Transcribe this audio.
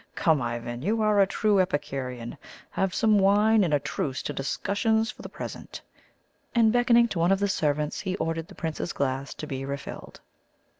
"Come, Ivan! You are a true Epicurean. Have some more wine, and a truce to discussions for the present." And, beckoning to one of the servants, he ordered the Prince's glass to be refilled.